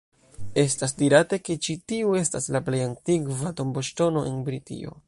Estas dirate, ke ĉi tiu estas la plej antikva tomboŝtono en Britio.